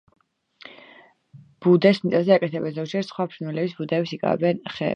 ბუდეს მიწაზე აკეთებენ; ზოგჯერ სხვა ფრინველების ბუდეებს იკავებენ ხეებზე.